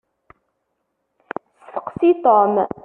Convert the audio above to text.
Steqsi Tom!